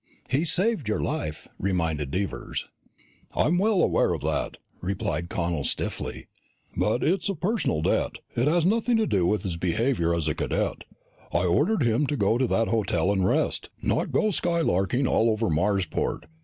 "He saved your life," reminded Devers. "I'm well aware of that," replied Connel stiffly. "But it's a personal debt. It has nothing to do with his behavior as a cadet. I ordered him to go to that hotel and rest, not go skylarking all over Marsport.